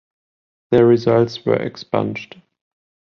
Their results were expunged.